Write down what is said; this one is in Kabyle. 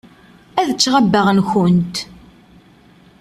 Ad ččeɣ abbaɣ-nwent.